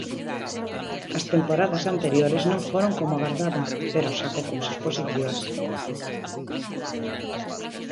As temporadas anteriores non foron como agardaba, pero saco cousas positivas.